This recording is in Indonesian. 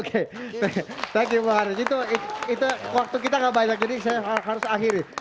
oke thank you mbak haris itu waktu kita gak banyak jadi saya harus akhiri